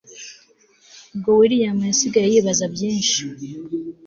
ubwo william yasigaye yibaza byinshi